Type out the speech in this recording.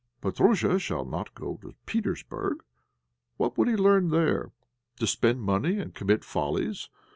Petróusha shall not go to Petersburg! What would he learn there? To spend money and commit follies.